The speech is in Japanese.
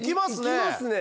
いきますね！